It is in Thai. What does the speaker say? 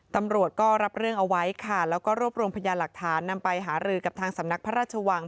ตำรวจรับเอาเรื่องเอาไว้และรบรวมพยานหรือหารือกับสำนักพระราชวัง